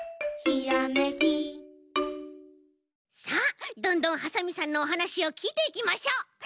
さあどんどんハサミさんのおはなしをきいていきましょう。